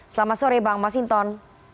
selamat sore bang masinton